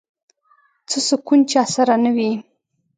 څه سکون چا سره نه وي